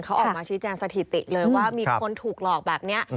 เขาออกมาชี้แจงสถิติเลยว่ามีคนถูกหลอกแบบนี้